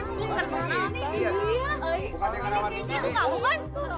kayaknya gue tak mau kan